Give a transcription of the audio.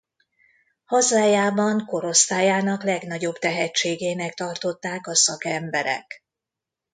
Hazájában korosztályának legnagyobb tehetségének tartották a szakemberek.